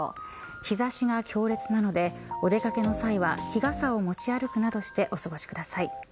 日差しが強烈なのでお出掛けの際は日傘を持ち歩くなどしてお過ごしください。